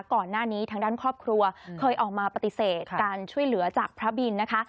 ก่อนหน้านี้ทางด้านครอบครัวเคยออกมาปฏิเสธการช่วยเหลือจากพระบินนะคะ